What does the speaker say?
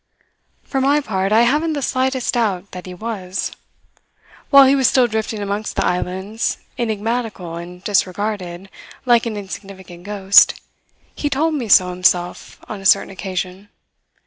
For my part I haven't the slightest doubt that he was. While he was still drifting amongst the islands, enigmatical and disregarded like an insignificant ghost, he told me so himself on a certain occasion.